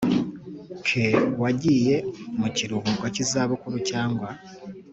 Ke wagiye mu kiruhuko cy izabukuru cyangwa